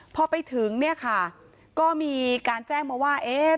พอไปถึงเนี่ยค่ะก็มีการแจ้งมาว่าเอ๊ะ